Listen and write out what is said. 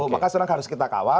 maka sekarang harus kita kawal